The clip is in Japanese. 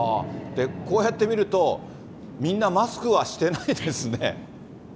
こうやって見ると、みんなマスクはしてないですね。